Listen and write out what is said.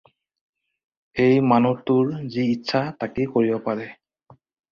এই মানুহটোৰ যি ইচ্ছা তাকে কৰিব পাৰে।